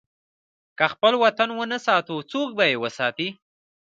که خپل وطن ونه ساتو، څوک به یې وساتي؟